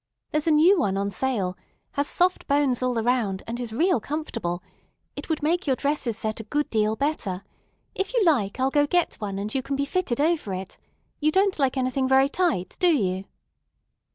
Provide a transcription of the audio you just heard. There's a new one on sale, has soft bones all around, and is real comfortable. It would make your dresses set a great deal better. If you like, I'll go get one, and you can be fitted over it. You don't like anything very tight, do you?"